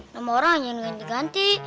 nama orang aja yang diganti ganti